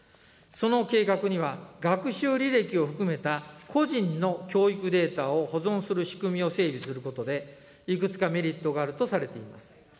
その計画には、学習履歴を含めた個人の教育データを保存する仕組みを整備することで、いくつかメリットがあるとされています。